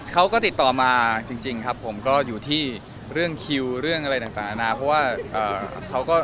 เขาก็ติดต่อมาจริงครับผมก็อยู่ที่เรื่องคิวเรื่องอะไรต่างนานาเพราะว่าเขาก็